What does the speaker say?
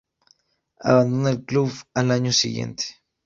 Abandona el club al año siguiente.